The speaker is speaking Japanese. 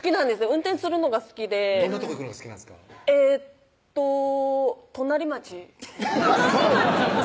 運転するのが好きでどんなとこ行くの好きなんですかえーっと隣町隣町！